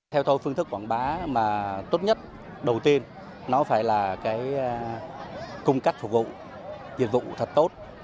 theo tôi phương thức quảng bá mà tốt nhất đầu tiên nó phải là cái cung cách phục vụ nhiệm vụ thật tốt